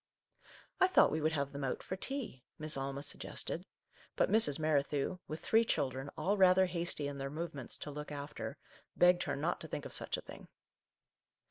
" I thought we would have them out for tea," Miss Alma suggested, but Mrs. Merri thew, with three children, all rather hasty in their movements, to look after, begged her not to think of such a thing.